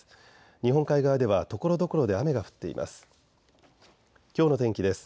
日本海側ではところどころで雨が降っています。